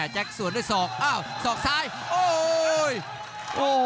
แก๊กสวนด้วยศอกอ้าวสอกซ้ายโอ้โห